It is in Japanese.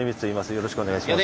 よろしくお願いします。